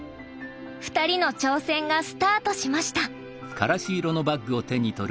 ２人の挑戦がスタートしました。